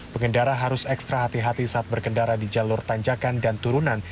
pengendara harus ekstra hati hati saat berkendara di jalur tanjakan dan turunan